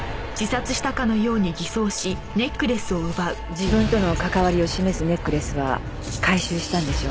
自分との関わりを示すネックレスは回収したんでしょ？